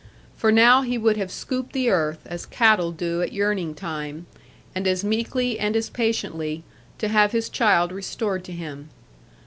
For now he would have scooped the earth, as cattle do at yearning time, and as meekly and as patiently, to have his child restored to him.